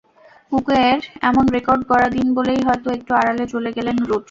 কুকের এমন রেকর্ড গড়া দিন বলেই হয়তো একটু আড়ালে চলে গেলেন রুট।